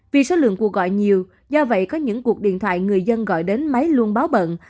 vì số lượng cuộc gọi nhiều do vậy có những cuộc điện thoại người dân gọi đến máy luôn báo bận